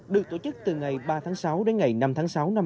được tổ chức từ ngày ba tháng sáu đến ngày năm tháng sáu